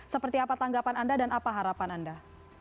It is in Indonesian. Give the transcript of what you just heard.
seperti apa tanggapan anda dan apa harapan anda